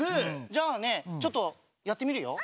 じゃあねちょっとやってみるよ。